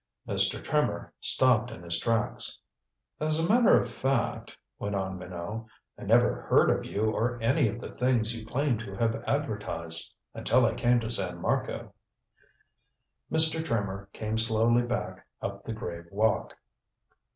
Mr. Trimmer stopped in his tracks. "As a matter of fact," went on Minot. "I never heard of you or any of the things you claim to have advertised, until I came to San Marco." Mr. Trimmer came slowly back up the grave walk.